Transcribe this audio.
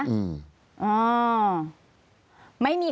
อืม